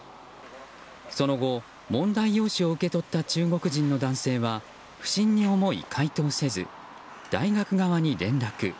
その後、問題用紙を受け取った中国人の男性は不審に思い、解答せず大学側に連絡。